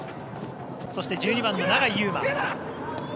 そして、１２番の永井祐真。